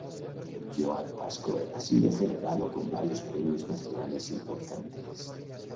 Juan Pascoe ha sido celebrado con varios premios nacionales importantes.